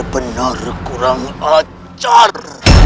kamu benar benar kurang acar